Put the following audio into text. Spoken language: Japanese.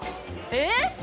えっ！